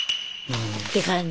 って感じ。